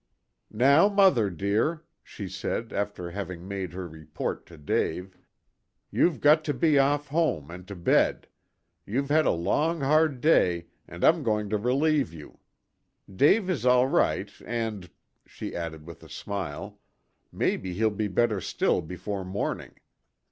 "Now, mother dear," she said, after having made her report to Dave, "you've got to be off home, and to bed. You've had a long, hard day, and I'm going to relieve you. Dave is all right, and," she added with a smile, "maybe he'll be better still before morning.